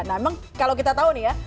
namun kalau kita tahu nih ya